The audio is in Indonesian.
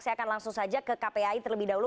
saya akan langsung saja ke kpai terlebih dahulu